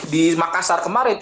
di makassar kemarin